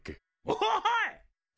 おい。